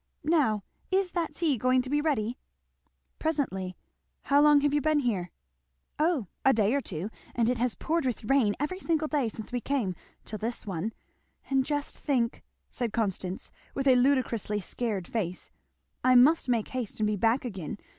Now is that tea going to be ready?" "Presently. How long have you been here?" "O a day or two and it has poured with rain every single day since we came, till this one; and just think!" said Constance with a ludicrously scared face, "I must make haste and be back again.